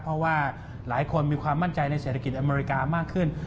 เพราะว่าหลายคนมีความมั่นใจในเศรษฐกิจอเมริกามากขึ้น